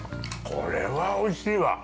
◆これはおいしいわ。